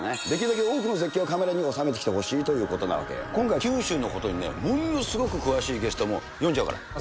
できるだけ多くの絶景をカメラに収めてきてほしいということなので、今回、九州のことにね、ものすごく詳しいゲストも呼んじゃうから。